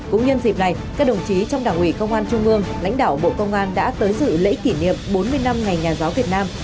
cũng nhân dịp này các đồng chí trong đảng ủy công an trung ương lãnh đạo bộ công an đã tới dự lễ kỷ niệm bốn mươi năm ngày nhà giáo việt nam